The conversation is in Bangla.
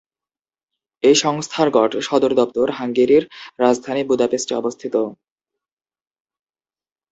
এই সংস্থার সদর দপ্তর হাঙ্গেরির রাজধানী বুদাপেস্টে অবস্থিত।